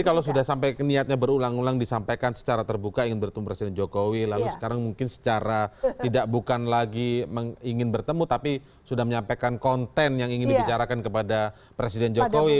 jadi kalau sudah sampai niatnya berulang ulang disampaikan secara terbuka ingin bertemu presiden jokowi lalu sekarang mungkin secara tidak bukan lagi ingin bertemu tapi sudah menyampaikan konten yang ingin dibicarakan kepada presiden jokowi